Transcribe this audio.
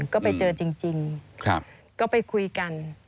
ก็ไปเจอจริงก็ไปคุยกัน